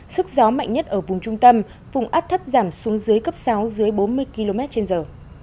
sức gió mạnh nhất ở vùng trung tâm vùng áp thấp giảm xuống dưới cấp sáu dưới bốn mươi km trên giờ